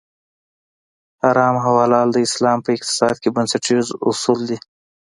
حرام او حلال د اسلام په اقتصاد کې بنسټیز اصول دي.